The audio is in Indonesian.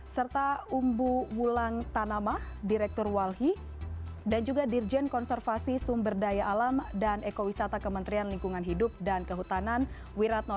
serta umbu wulan tanamah direktur walhi dan juga dirjen konservasi sumber daya alam dan ekowisata kementerian lingkungan hidup dan kehutanan wiratno